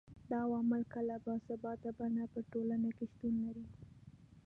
دا عوامل کله په ثابته بڼه په ټولنه کي شتون لري